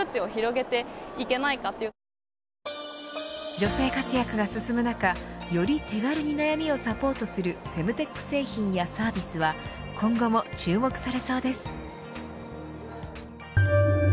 女性活躍が進む中より手軽に悩みをサポートするフェムテック製品やサービスは今後も注目されそうです。